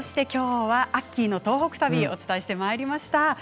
きょうはアッキーの東北旅をお伝えしてまいりました。